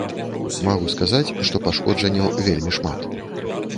Магу сказаць, што пашкоджанняў вельмі шмат.